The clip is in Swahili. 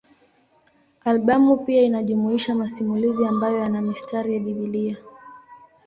Albamu pia inajumuisha masimulizi ambayo yana mistari ya Biblia.